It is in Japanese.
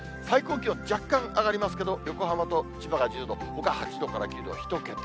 最高気温、若干上がりますけど、横浜と千葉が１０度、ほか８度から９度、１桁。